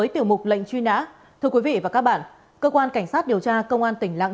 tiếp theo biên tập viên đinh hạnh